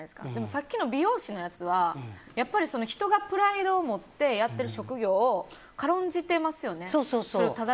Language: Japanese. さっきの美容師のやつは人がプライドを持ってやっている職業を軽んじてますよね。